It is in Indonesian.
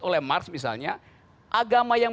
oleh mars misalnya agama yang